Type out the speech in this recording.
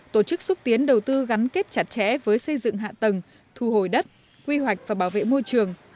tổ chức xúc tiến đầu tư gắn kết chặt chẽ với xây dựng hạ tầng thu hồi đất quy hoạch và bảo vệ môi trường